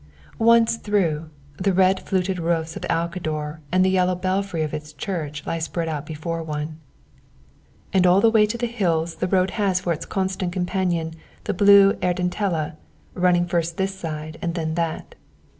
Once through, the red fluted roofs of Alcador and the yellow belfry of its church lie spread out before one. And all the way to the hills the road has for its constant companion the blue Ardentella, running first this side and then that.